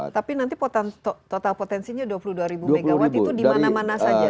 tapi nanti total potensinya dua puluh dua ribu megawatt itu dimana mana saja